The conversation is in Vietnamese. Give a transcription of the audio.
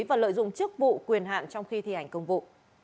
và lợi dụng chức vụ quyền hạn trong khi thi hành công vụ